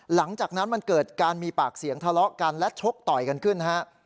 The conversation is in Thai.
หลังจากนั้นมันเกิดการมีปากเสียงทะเลาะกันและชกต่อยกันขึ้นฮะ